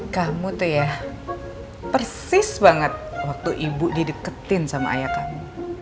kamu tuh ya persis banget waktu ibu dideketin sama ayah kamu